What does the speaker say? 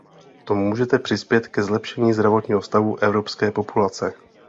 To může přispět ke zlepšení zdravotního stavu evropské populace.